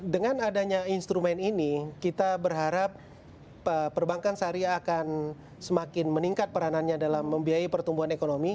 dengan adanya instrumen ini kita berharap perbankan syariah akan semakin meningkat peranannya dalam membiayai pertumbuhan ekonomi